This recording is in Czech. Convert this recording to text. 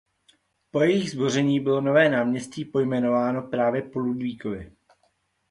Po jejich zboření bylo nové náměstí pojmenováno právě po Ludvíkovi.